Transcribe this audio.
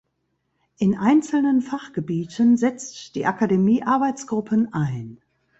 In einzelnen Fachgebieten setzt die Akademie Arbeitsgruppen ein.